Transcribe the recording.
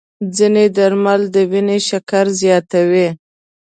ځینې درمل د وینې شکر زیاتوي.